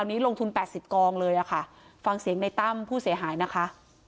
ตอนนี้ลงทุน๘๐กองเลยอะค่ะฟังเสียงในตั้มผู้เสียหายนะคะ